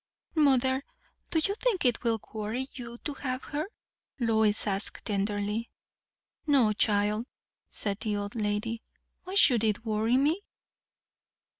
"Mother, do you think it will worry you to have her?" Lois asked tenderly. "No, child," said the old lady; "why should it worry me?"